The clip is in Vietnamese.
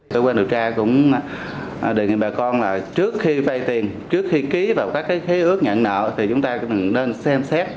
cơ quan điều tra cũng đề nghị bà con là trước khi vay tiền trước khi ký vào các khế ước nhận nợ thì chúng ta cần xem xét